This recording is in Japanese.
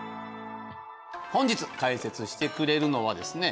本日解説してくれるのはですね